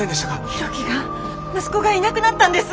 博喜が息子がいなくなったんです！